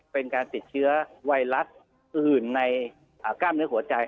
เป็นการติดเชื้อไวรัสอื่นในกล้ามเนื้อหัวใจ